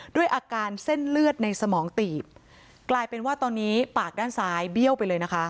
ด้วยอาการเส้นเลือดในสมองตีบกลายเป็นว่าตอนนี้ปากด้านซ้ายเบี้ยวไปเลยนะคะ